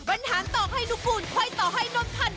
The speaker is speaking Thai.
บรรฐานต่อให้นุกูลค่อยต่อให้น้นพัน